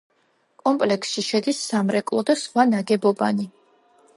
კომპლექსში შედის სამრეკლო და სხვა ნაგებობანი.